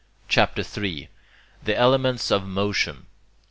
CHAPTER III THE ELEMENTS OF MOTION 1.